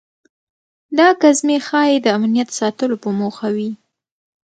دا ګزمې ښایي د امنیت ساتلو په موخه وي.